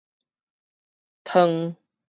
賰